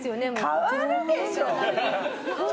変わるでしょ！